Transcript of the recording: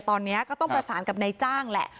ตอนนี้ก็ต้องประสานกับนายจ้างแหละ